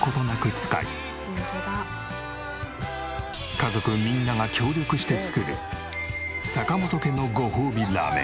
家族みんなが協力して作る坂本家のごほうびラーメン。